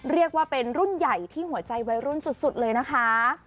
เรียกว่าเป็นรุ่นใหญ่ที่หัวใจวัยรุ่นสุดเลยนะคะ